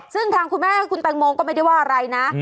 ซึ่งทางคุณแม่คุณแตงโมก็ไม่ได้ว่าอะไรนะ